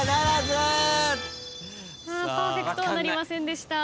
パーフェクトなりませんでした。